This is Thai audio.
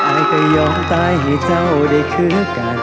อายก็ยอมตายให้เจ้าได้คือกัน